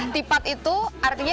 tipat itu artinya